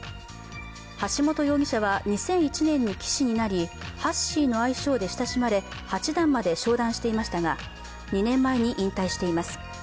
橋本容疑者は２００１年に棋士になり、ハッシーの愛称で親しまれ、八段まで昇段していましたが、２年前に引退しています。